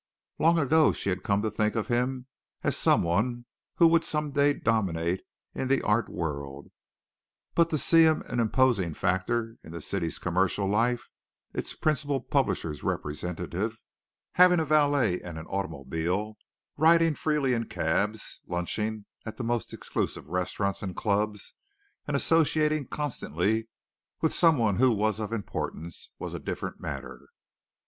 Long ago she had come to think of him as someone who would some day dominate in the art world; but to see him an imposing factor in the city's commercial life, its principal publishers' representative, having a valet and an automobile, riding freely in cabs, lunching at the most exclusive restaurants and clubs, and associating constantly with someone who was of importance, was a different matter.